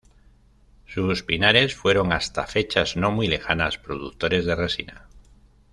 Sus pinares fueron, hasta fechas no muy lejanas, productores de resina.